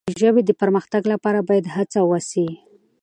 د ژبې د پرمختګ لپاره باید هڅه وسي.